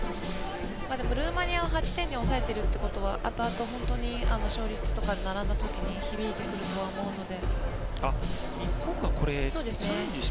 でもルーマニアを８点で抑えているということはあとあと本当に勝率とかで並んだ時に響いてくるとは思うので。